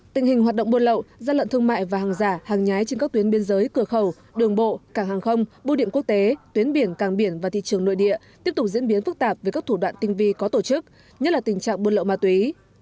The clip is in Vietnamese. tình hình hoạt động buôn lậu gian lận thương mại và hàng giả hàng nhái trên các tuyến biên giới cửa khẩu đường bộ cảng hàng không bưu điện quốc tế tuyến biển càng biển và thị trường nội địa tiếp tục diễn biến phức tạp với các thủ đoạn tinh vi có tổ chức nhất là tình trạng buôn lậu ma túy